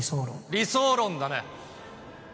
理想論だね！